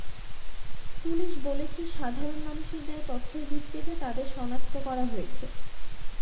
Police বলেছে, সাধারণ মানুষের দেওয়া তথ্যের ভিত্তিতে তাঁদের শনাক্ত করা হয়েছে।